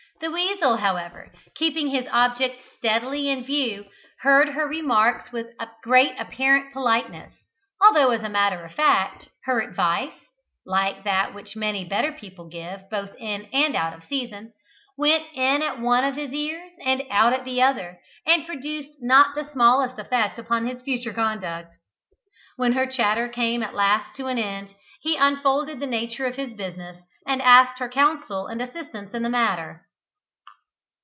The weasel, however, keeping his object steadily in view, heard her remarks with great apparent politeness, although as a matter of fact her advice (like that which many better people give, both in and out of season) went in at one of his ears and out at the other, and produced not the smallest effect upon his future conduct. When her chatter came at last to an end, he unfolded the nature of his business and asked her counsel and assistance in the matter.